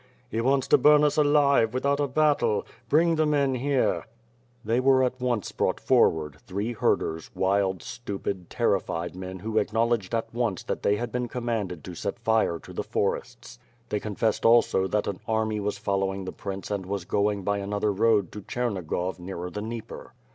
"He wants to burn us alive, without a battle! Bring the men here." They were at once brought forward, three herders, wild, stupid, terrified men who acknowledged at once that they had been commanded to set fire to the forests. They con fessed also that an army was following the prince and was going by another road to Chernigov nearer the Dnieper.